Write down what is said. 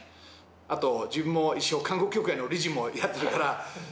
あと自分も観光協会の理事もやってるから。